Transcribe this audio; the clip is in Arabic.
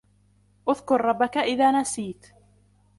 اذْكُر رَّبَّكَ إِذَا نَسِيتَ.